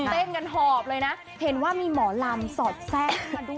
เต้นกันหอบเลยนะเห็นว่ามีหมอลำสอดแทรกขึ้นมาด้วย